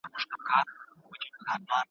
کومې ميرمنې د قسم او عدل حقدارې دي؟